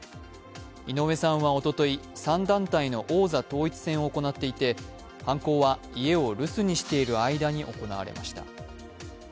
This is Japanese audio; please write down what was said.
井上さんはおととい３団体の王座統一戦を行っていて犯行は家を留守にしている間に行われました。